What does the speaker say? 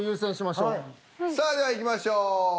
さあではいきましょう。